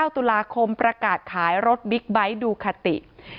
๙ตุลาคมประกาศขายรถบิ๊กไบท์ดูคาติ